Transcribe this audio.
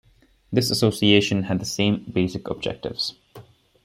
This Association had the same basic objectives.